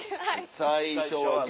最初はグ。